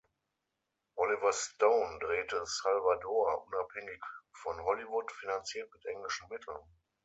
Oliver Stone drehte "Salvador" unabhängig von Hollywood, finanziert mit englischen Mitteln.